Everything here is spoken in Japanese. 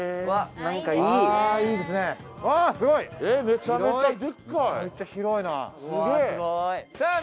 はい。